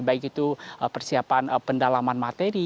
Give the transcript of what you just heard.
baik itu persiapan pendalaman materi